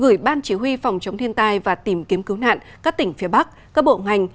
gửi ban chỉ huy phòng chống thiên tai và tìm kiếm cứu nạn các tỉnh phía bắc các bộ ngành